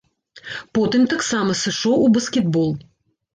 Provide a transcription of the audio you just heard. Потым таксама сышоў у баскетбол.